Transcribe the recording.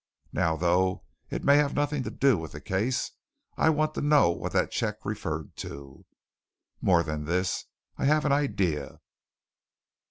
"Now, though it may have nothing to do with the case, I want to know what that cheque referred to. More than this, I have an idea.